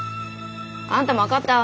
あんたも分かった？